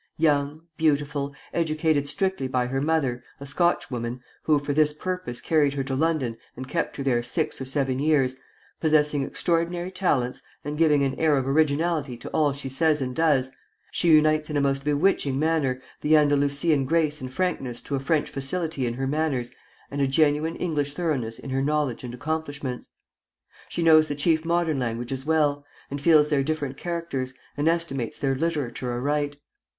Young, beautiful, educated strictly by her mother, a Scotchwoman, who for this purpose carried her to London and kept her there six or seven years, possessing extraordinary talents, and giving an air of originality to all she says and does, she unites in a most bewitching manner the Andalusian grace and frankness to a French facility in her manners and a genuine English thoroughness in her knowledge and accomplishments. She knows the chief modern languages well, and feels their different characters, and estimates their literature aright.